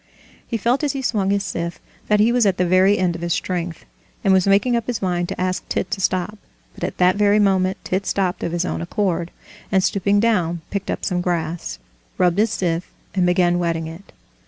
He felt as he swung his scythe that he was at the very end of his strength, and was making up his mind to ask Tit to stop. But at that very moment Tit stopped of his own accord, and stooping down picked up some grass, rubbed his scythe, and began whetting it.